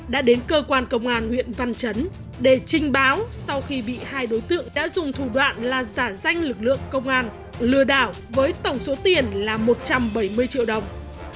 đã đến cơ quan công an huyện văn chấn để trình báo sau khi bị hai đối tượng đã dùng thủ đoạn là giả danh lực lượng công an lừa đảo với tổng số tiền là một trăm bảy mươi triệu đồng